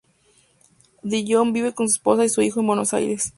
Dillon vive con su esposa y su hijo en Buenos Aires.